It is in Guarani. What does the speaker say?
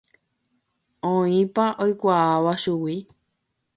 Oĩpa oikuaáva chugui.